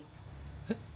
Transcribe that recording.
えっ？